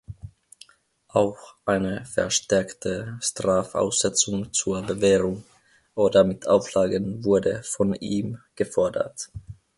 Auch eine verstärkte Strafaussetzung zur Bewährung oder mit Auflagen wurde von ihm gefordert.